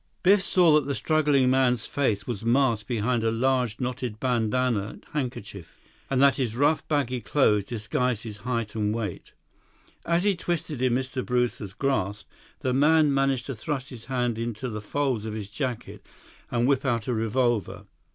Biff saw that the struggling man's face was masked behind a large, knotted bandanna handkerchief, and that his rough, baggy clothes disguised his height and weight. As he twisted in Mr. Brewster's grasp, the man managed to thrust his hand into the folds of his jacket and whip out a revolver.